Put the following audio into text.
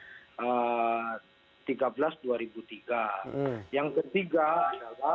yang ketiga adalah konfederasi serikat pekerja dan serikat buruh